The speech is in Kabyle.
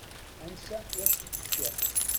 Ansa i as-d-tekkiḍ.